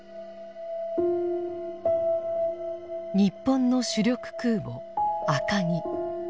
日本の主力空母「赤城」。